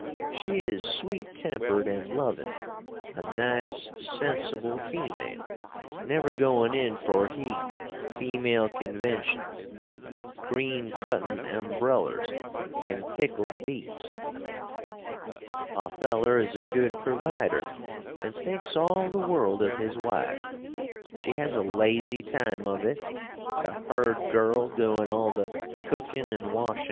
She is sweet tempered and lovin a nice, sensible female, never goin in for he female conventions, green cotton umbrellers, and pickled beats. Otheller is a good provider and thinks all the world of his wife. She has a lazy time of it, the hird girl doin all the cookin and washin.